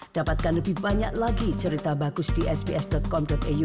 dapatkan lebih banyak lagi cerita bagus di sps com iu